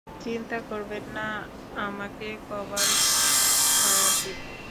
চিন্তা করবেন না, আমাকে কভার ফায়ার দিন।